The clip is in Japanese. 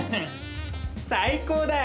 最高だよ！